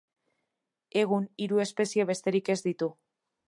Egun, hiru espezie besterik ez ditu.